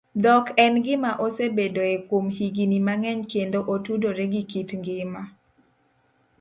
Dhok en gima osebedoe kuom higini mang'eny kendo otudore gi kit ngima